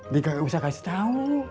dia gak usah kasih tau